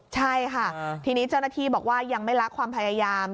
ใช่ค่ะทีนี้เจ้าหน้าที่บอกว่ายังไม่ละความพยายาม